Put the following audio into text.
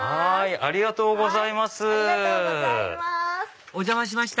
ありがとうございます。